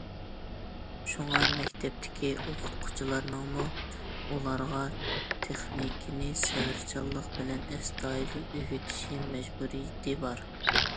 شۇڭا، مەكتەپتىكى ئوقۇتقۇچىلارنىڭمۇ ئۇلارغا تېخنىكىنى سەۋرچانلىق بىلەن ئەستايىدىل ئۆگىتىش مەجبۇرىيىتى بار.